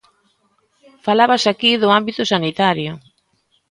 Falábase aquí do ámbito sanitario.